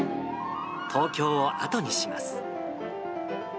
東京を後にします。